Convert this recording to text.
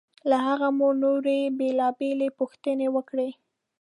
له هغه مو نورې بېلابېلې پوښتنې وکړې.